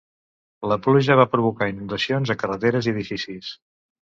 La pluja va provocar inundacions a carreteres i edificis.